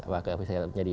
apakah bisa jadi